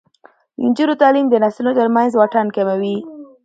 د نجونو تعلیم د نسلونو ترمنځ واټن کموي.